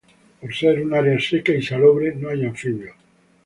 Por ser un área seca y salobre, no hay anfibios.